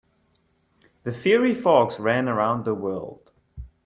The fiery fox ran around the world.